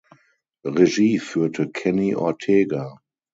Regie führte Kenny Ortega.